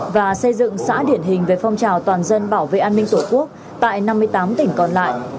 và xây dựng xã điển hình về phong trào toàn dân bảo vệ an ninh tổ quốc tại năm mươi tám tỉnh còn lại